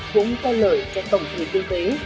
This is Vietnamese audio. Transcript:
cũng cho lợi cho tổng thể kinh tế